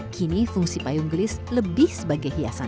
kini fungsi payung gelis lebih sebagai hiasan